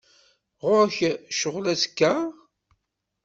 Ɣur-k ccɣel azekka?